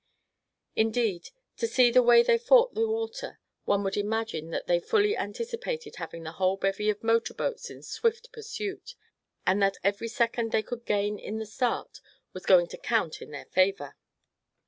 Indeed, to see the way they fought the water, one would imagine that they fully anticipated having the whole bevy of motor boats in swift pursuit, and that every second they could gain in the start was going to count in their favor.